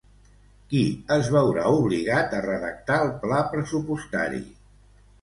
Qui es veurà obligat a redactar el pla pressupostari?